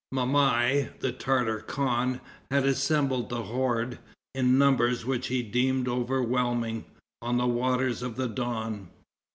Mamai, the Tartar khan, had assembled the horde, in numbers which he deemed overwhelming, on the waters of the Don.